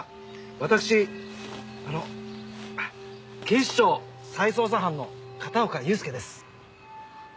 わたくしあの警視庁再捜査班の片岡悠介です。